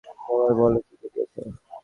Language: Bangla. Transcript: এবার বলো কী কী নিয়েছ?